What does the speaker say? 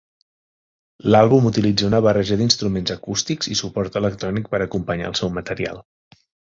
L'àlbum utilitza una barreja d'instruments acústics i suport electrònic per acompanyar el seu material.